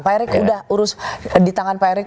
pak erick udah urus di tangan pak erick